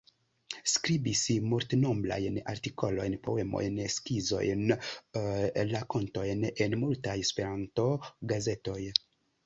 Skribis multnombrajn artikolojn, poemojn, skizojn, rakontojn en multaj Esperanto-gazetoj.